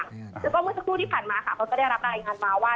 แล้วก็เมื่อสักครู่ที่ผ่านมาค่ะเขาก็ได้รับรายงานมาว่า